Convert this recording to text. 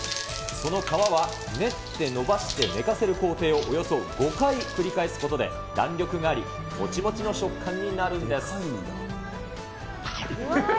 その皮は練って伸ばして寝かせる工程をおよそ５回繰り返すことで、弾力があり、もちもちの食感になるんです。